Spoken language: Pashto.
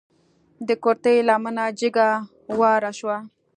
د کورتۍ لمنه جګه واره شوه.